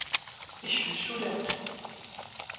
Ich bin Student.